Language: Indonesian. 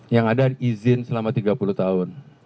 yang ada izin selama tiga puluh tahun